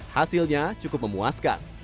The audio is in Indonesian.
hasilnya cukup memuaskan